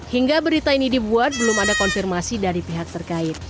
hingga berita ini dibuat belum ada konfirmasi dari pihak terkait